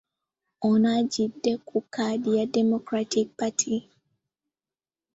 Ono ajjidde ku kkaadi ya Democratic Party.